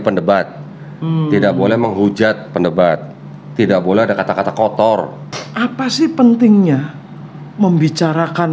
pendebat tidak boleh menghujat pendebat tidak boleh ada kata kata kotor apa sih pentingnya membicarakan